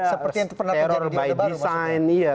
seperti yang pernah terjadi di orde baru maksudnya